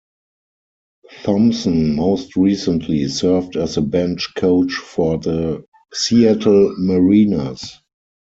Thompson most recently served as the bench coach for the Seattle Mariners.